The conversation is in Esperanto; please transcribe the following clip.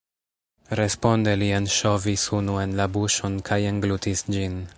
Responde li enŝovis unu en la buŝon kaj englutis ĝin.